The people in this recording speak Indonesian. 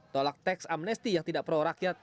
tolak teks amnesti yang tidak pro rakyat